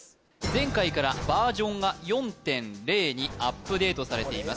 前回からバージョンが４．０にアップデートされています